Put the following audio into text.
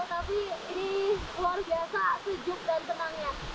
tapi ini luar biasa sejuk dan tenangnya